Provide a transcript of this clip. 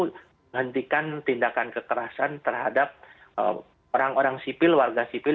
untuk menghentikan tindakan kekerasan terhadap orang orang sipil warga sipil